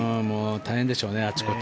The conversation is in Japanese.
大変でしょうねあっちこっち。